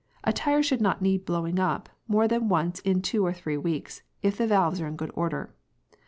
A tyre should not need blowing up, more than once in two or three weeks, if the valves are in good order.